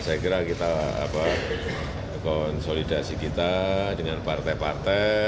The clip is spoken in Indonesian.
saya kira kita konsolidasi kita dengan partai partai